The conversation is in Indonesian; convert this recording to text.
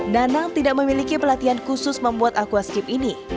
nanang tidak memiliki pelatihan khusus membuat aquascape ini